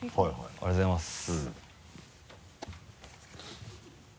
ありがとうございます。